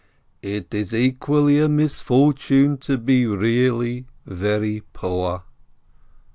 "It is equally a misfortune to be really very poor."